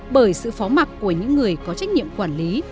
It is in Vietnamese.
bởi sự phó mặt của những người có trách nhiệm quản lý